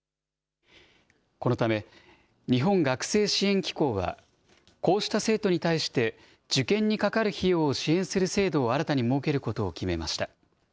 このため、日本学生支援機構は、こうした生徒に対して、受験にかかる費用を支援する制度を新たに設けることを決めました。